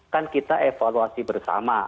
kan kita evaluasi bersama